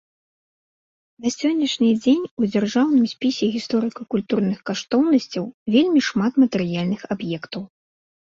На сённяшні дзень у дзяржаўным спісе гісторыка-культурных каштоўнасцяў вельмі шмат матэрыяльных аб'ектаў.